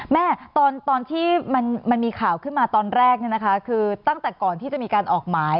แม่ตอนที่มันมีข่าวขึ้นมาตอนแรกคือตั้งแต่ก่อนที่จะมีการออกหมาย